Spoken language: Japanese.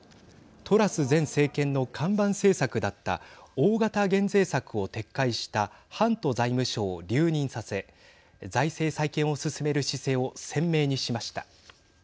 トラス前政権の看板政策だった大型減税策を撤回したハント財務相を留任させ財政再建を進める姿勢を鮮明にしました。